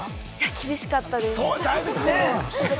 厳しかったです。